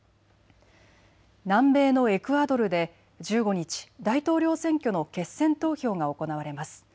南米のエクアドルで１５日、大統領選挙の決選投票が行われます。